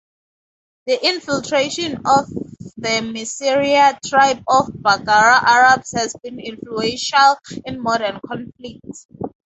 Infiltration of the Messiria tribe of Baggara Arabs has been influential in modern conflicts.